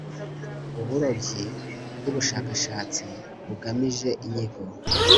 Uburobyi bw ubushakashatsi bugamije inyigo